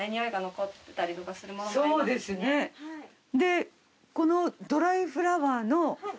でこのドライフラワーの。